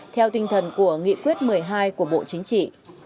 theo tinh thần của nghị quyết một mươi hai của bộ chính trị